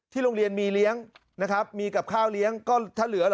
โรงเรียนมีเลี้ยงนะครับมีกับข้าวเลี้ยงก็ถ้าเหลือเหรอ